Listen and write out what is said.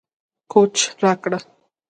کوچ راکړه